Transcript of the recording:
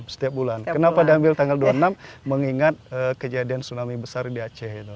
setiap bulan kenapa diambil tanggal dua puluh enam mengingat kejadian tsunami besar di aceh